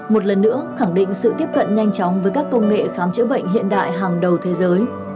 một lần nữa khẳng định sự tiếp cận nhanh chóng với các công nghệ khám chữa bệnh hiện đại hàng đầu thế giới